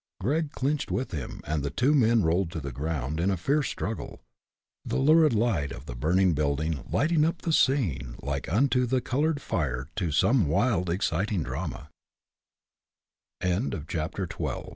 Gregg clinched with him, and the two men rolled to the ground, in a fierce struggle, the lurid light of the burning building lighting up the scene like unto the colored fire to some wild exciting drama. CHAPTER XIII.